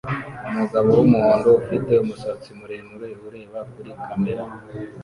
Umugabo wumuhondo ufite umusatsi muremure ureba kuri kamera